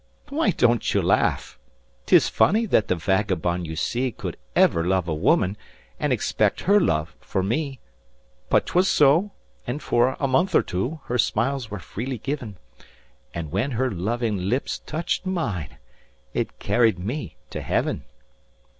"Why don't you laugh? 'Tis funny that the vagabond you see Could ever love a woman, and expect her love for me; But 'twas so, and for a month or two, her smiles were freely given, And when her loving lips touched mine, it carried me to Heaven.